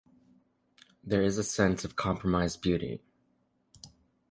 There is a sense of compromised beauty.